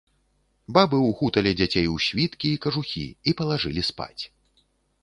Бабы ўхуталі дзяцей у світкі і кажухі і палажылі спаць.